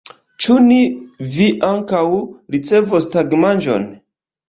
Ĉe ni vi ankaŭ ricevos tagmanĝon.